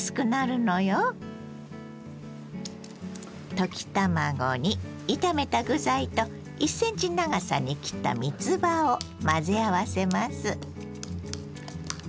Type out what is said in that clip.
溶き卵に炒めた具材と１ｃｍ長さに切ったみつばを混ぜ合わせます。